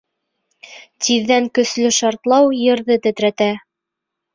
Тиҙҙән көслө шартлау ерҙе тетрәтә.